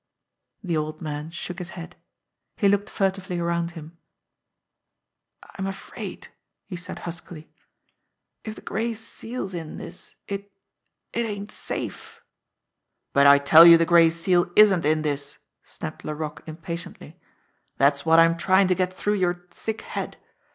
The old man shook his head. He looked furtively around him. "I'm afraid," he said huskily. "If the Gray Seal's in this, it it ain't safe." "But I tell you the Gray Seal isn't in this," snapped La roque impatiently. "That's what I'm trying to get through your thick head